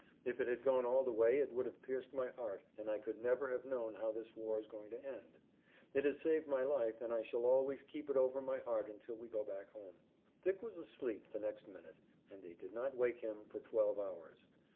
"If it had gone all the way it would have pierced my heart and I could never have known how this war is going to end. It has saved my life, and I shall always keep it over my heart until we go back home." Dick was asleep the next minute, and they did not wake him for twelve hours.